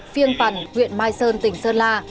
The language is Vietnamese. phiên bản nguyện mai sơn tỉnh sơn la